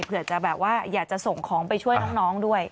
เผื่อจะแบบว่าอยากจะส่งของไปช่วยน้องด้วย